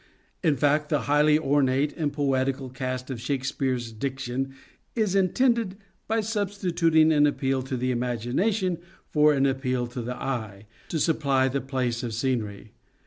In fact, the highly ornate and poetical cast of Shakespeare's diction is intended, by substituting an appeal to the imagination for an appeal to the eye, to supply the place of scenery.